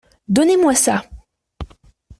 Donnez-moi ça.